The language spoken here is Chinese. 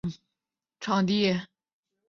英文虎报的广告也曾经以此为拍摄场地。